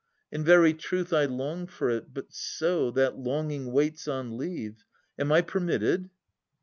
In very truth I long for it, but so. That longing waits on leave. Am I permitted